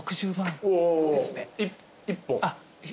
１本？